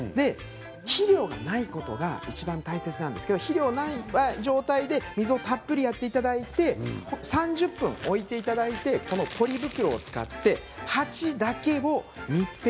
肥料がないことがいちばん大切なんですけれども肥料がない状態で水をたっぷりやっていただいて３０分置いていただいてポリ袋を使ってそっちを？